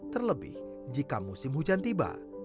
terlebih jika musim hujan tiba